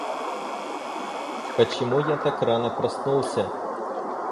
Почему я так рано проснулся?